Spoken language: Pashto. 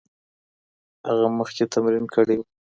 هغه مخکې تمرین کړی و.